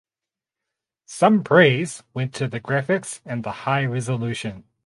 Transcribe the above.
Some praise went to the graphics and the high resolution.